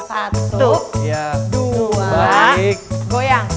satu dua goyang